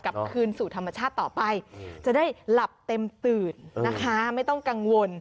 กลับคืนสู่ธรรมชาติต่อไปจะได้หลับเต็มตื่นนะคะไม่ต้องกังวล